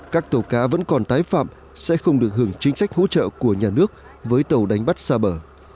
các tàu cá vẫn còn tái phạm sẽ không được hưởng chính sách hỗ trợ của nhà nước với tàu đánh bắt xa bờ